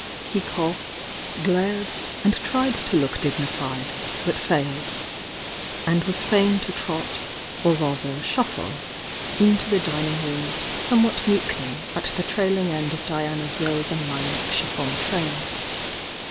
He coughed, glared, and tned to look dignified, but failed,— and was fain to trot, or rather shuiHe, in to the dinine room somewhat meekly at the trailing end of Di anas rose and lilac chiffon train.